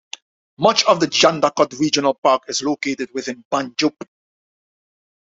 Much of the Jandakot Regional Park is located within Banjup.